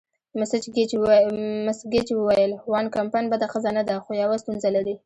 مس ګیج وویل: وان کمپن بده ښځه نه ده، خو یوه ستونزه لري.